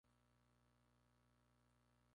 Es fundadora de la marca de lujo turca "by H".